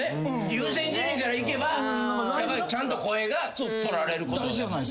優先順位からいけばちゃんと声がとられることを。